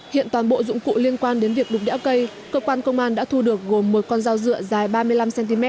hiện toàn bộ dụng cụ liên quan đến việc đục đẽo cây cơ quan công an đã thu được gồm một con dao dựa dài ba mươi năm cm